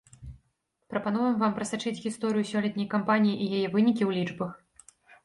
Прапануем вам прасачыць гісторыю сёлетняй кампаніі і яе вынікі ў лічбах.